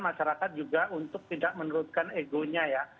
masyarakat juga untuk tidak menurutkan egonya ya